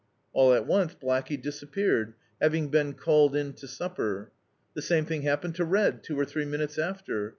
All at once Blackey disappeared, having been called in to supper. The same thing happened to Red, two or three minutes after.